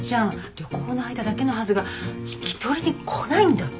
旅行の間だけのはずが引き取りに来ないんだって？